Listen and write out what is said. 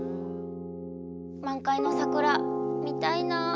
満開の桜見たいなあ。